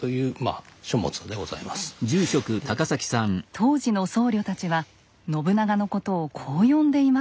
当時の僧侶たちは信長のことをこう呼んでいました。